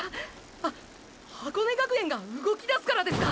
あっ箱根学園が動きだすからですか？